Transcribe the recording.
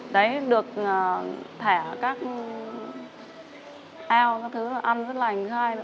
đấy được thẻ các eo các thứ ăn rất lành